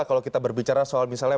kalau kita berbicara soal misalnya